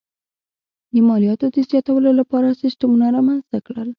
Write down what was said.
د مالیاتو د زیاتولو لپاره سیستمونه رامنځته کړل.